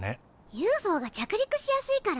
ＵＦＯが着陸しやすいから？